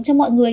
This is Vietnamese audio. cho mọi người